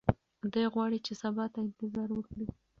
دی غواړي چې سبا ته انتظار وکړي.